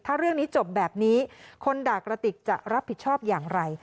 ถ้าเรื่องนี้จบแบบนี้คนด่ากระติกจะรับผิดชอบอย่างไร